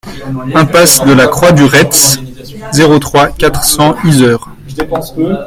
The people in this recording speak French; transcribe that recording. Impasse de la Croix du Retz, zéro trois, quatre cents Yzeure